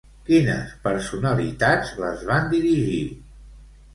Quines personalitats les van dirigir?